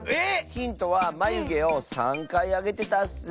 ⁉ヒントはまゆげを３かいあげてたッス。